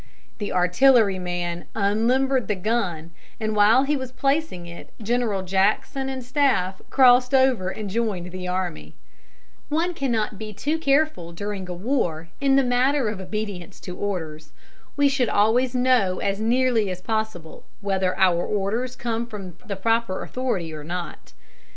The artilleryman unlimbered the gun, and while he was placing it General Jackson and staff crossed over and joined the army. One cannot be too careful, during a war, in the matter of obedience to orders. We should always know as nearly as possible whether our orders come from the proper authority or not.